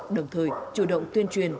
đồng thời chủ động tuyên truyền